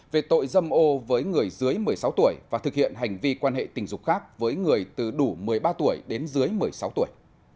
về tội dâm ô với người dưới một mươi sáu tuổi và thực hiện hành vi quan hệ tình dục khác với người từ đủ một mươi ba tuổi đến dưới một mươi sáu tuổi